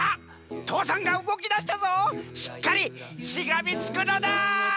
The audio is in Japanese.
父山がうごきだしたぞしっかりしがみつくのだ！